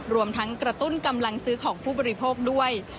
รวมทั้งกระตุ้นกำลังซื้อของผู้บริโภคด้วย